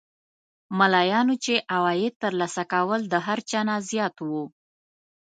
ملایانو چې عواید تر لاسه کول د هر چا نه زیات وو.